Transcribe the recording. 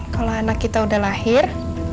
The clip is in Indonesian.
kalau anak kita udah lahir